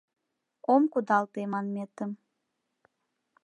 «Ом кудалте» манметым.